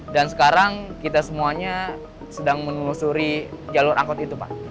dan sekarang kita semuanya sedang menelusuri jalur angkut itu pak